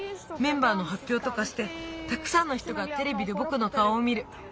メンバーのはっぴょうとかしてたくさんの人がテレビでぼくのかおを見る。